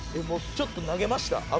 もうちょっと投げました